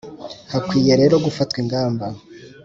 Hakwiye rero gufatwa ingamba.